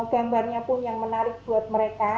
gambarnya pun yang menarik buat mereka